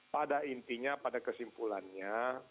pada intinya pada kesimpulannya